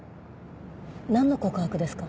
なんの告白ですか？